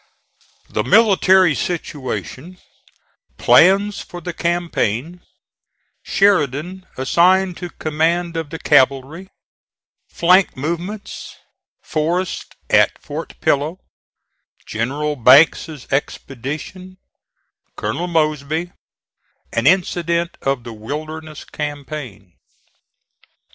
THE MILITARY SITUATION PLANS FOR THE CAMPAIGN SHERIDAN ASSIGNED TO COMMAND OF THE CAVALRY FLANK MOVEMENTS FORREST AT FORT PILLOW GENERAL BANKS'S EXPEDITION COLONEL MOSBY AN INCIDENT OF THE WILDERNESS CAMPAIGN.